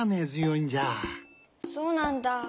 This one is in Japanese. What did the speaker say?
そうなんだ。